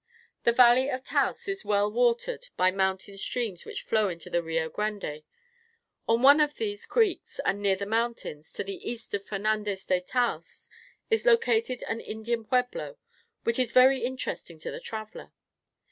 The valley of Taos is well watered by mountain streams which flow into the Rio Grande. On one of these creeks and near the mountains, to the east of Fernandez de Taos, is located an Indian Pueblo which is very interesting to the traveler.